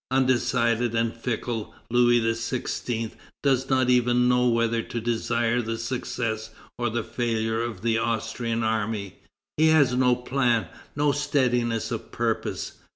Undecided and fickle, Louis XVI. does not even know whether to desire the success or the failure of the Austrian army. He has no plan, no steadiness of purpose.